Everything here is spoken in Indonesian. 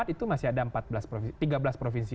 itu masih ada tiga belas provinsi